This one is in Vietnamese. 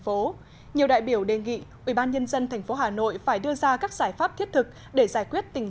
phố nhiều đại biểu đề nghị ubnd tp hà nội phải đưa ra các giải pháp thiết thực để giải quyết tình